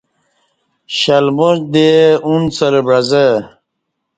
شلماچ دے انُڅہ لہ بعزہ